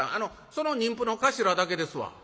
その人夫の頭だけですわ」。